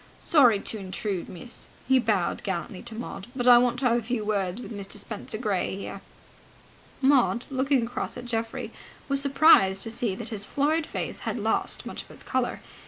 "Sorry to intrude, miss." He bowed gallantly to Maud, "but I want to have a few words with Mr. Spenser Gray here." Maud, looking across at Geoffrey, was surprised to see that his florid face had lost much of its colour.